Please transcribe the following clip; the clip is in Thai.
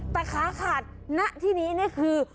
แต่ขาขาดนั้นที่นี้คือ